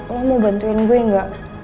lo mau bantuin gue gak